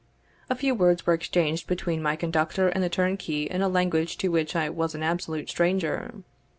A few words were exchanged between my conductor and the turnkey in a language to which I was an absolute stranger.